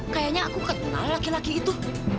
kayaknya aku kenal laki laki itu